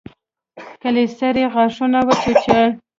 کلسري غاښونه وچيچل.